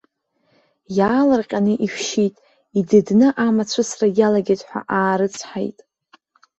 Иаалырҟьаны ишәшьит, идыдны амацәысра иалагеит ҳәа аарыцҳаит.